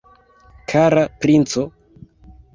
Kara princo!